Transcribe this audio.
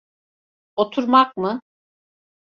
Oturmak mı?